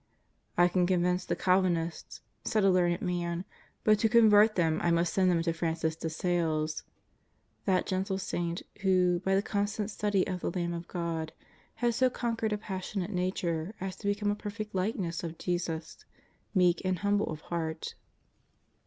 '' I can con vince the Calvinists," said a learned man, " but to con vert them I must send them to Francis de Sales," that gentle saint who, by the constant study of the Lamb of God, had so conquered a passionate nature as to be come a perfect likeness of Jesus, " meek and humble of heart.''